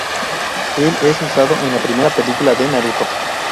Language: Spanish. El es usado en la primera película de Naruto.